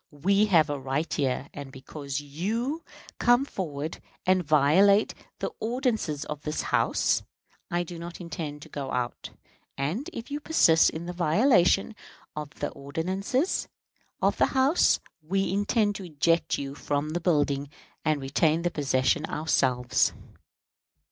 We have a right here; and because you come forward and violate the ordinances of this House, I do not intend to go out; and, if you persist in the violation of the ordinances of the House, we intend to eject you from the building and retain the possession ourselves."